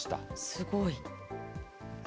すごい。